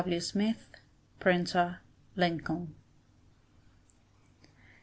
W. Smith, Printer, Lincoln.